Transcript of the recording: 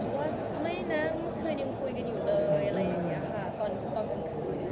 แต่ว่าเขาก็ไม่ได้อีกทั้งความคิดว่ามันเป็นเรื่องที่เขาพิจารณ์มากดี